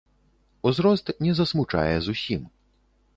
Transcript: Узрост не засмучае зусім.